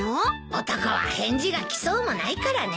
男は返事が来そうもないからね。